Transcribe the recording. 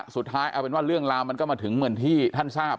สุดท้ายเรื่องราวมันก็มาถึงเหมือนที่ท่านทราบ